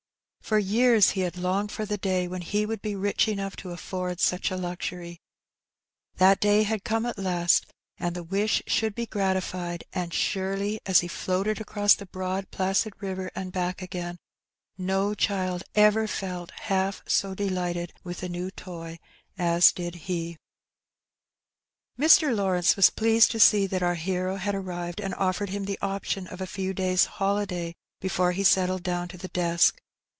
For years he had longed for the day when he would be rich enough to afibrd such a luxury; that day had come at last, and the wish should be gratified; and surely, as he floated across the broad placid river and back again, no child ever felt half so delighted with a new toy as did he. Mr. Lawrence was pleased to see that our hero had arrived, and offered him the option of a few days' holiday before he settled down to the desk.